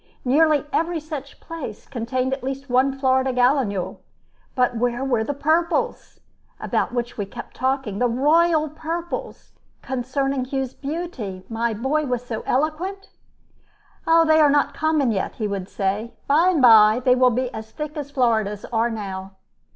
Nearly every such place contained at least one Florida gallinule; but where were the "purples," about which we kept talking, the "royal purples," concerning whose beauty my boy was so eloquent? "They are not common yet," he would say. "By and by they will be as thick as Floridas are now."